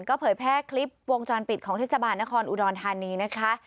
ก็เผยแพร่คลิปวงจรปิดของเทศบาลนครอุดรธานีนะคะ